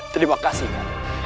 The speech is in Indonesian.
terima kasih naya